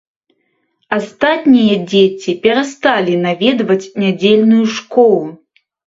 Астатнія дзеці перасталі наведваць нядзельную школу.